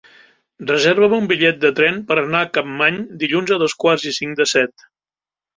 Reserva'm un bitllet de tren per anar a Capmany dilluns a dos quarts i cinc de set.